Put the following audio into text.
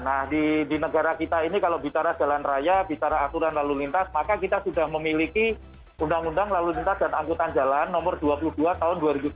nah di negara kita ini kalau bicara jalan raya bicara aturan lalu lintas maka kita sudah memiliki undang undang lalu lintas dan angkutan jalan nomor dua puluh dua tahun dua ribu tujuh belas